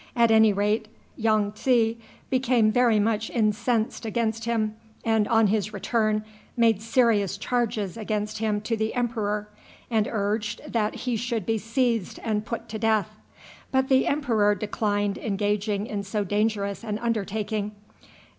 At any rate, Yong tsi became very much incensed against him, and, on his return, made serious charges against him to the emperor, and urged that he should be seized and put to death. But the emperor declined engaging in so dangerous an undertaking.